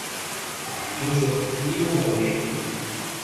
Học hành song suốt, thi mô đậu nấy